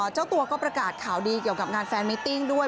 เจ้าตัวก็ประกาศข่าวดีเกี่ยวกับงานแฟนมิติ้งด้วย